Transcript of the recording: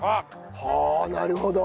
はあなるほど。